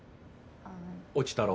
落ちたろ。